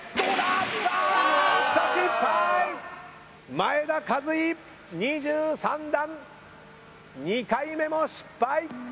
前田和威２３段２回目も失敗。